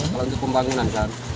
kalau untuk pembangunan kan